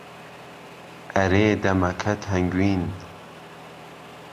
ئهرێ دهمهکهت ههنگوین